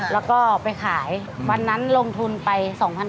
แล้วก็ไปขายวันนั้นลงทุนไป๒๕๐๐